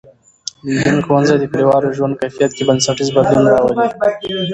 د نجونو ښوونځی د کلیوالو ژوند کیفیت کې بنسټیز بدلون راولي.